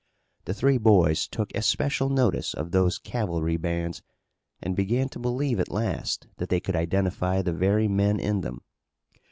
The three boys took especial notice of those cavalry bands and began to believe at last that they could identify the very men in them.